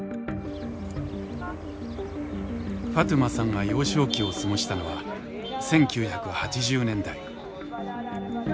ファトゥマさんが幼少期を過ごしたのは１９８０年代。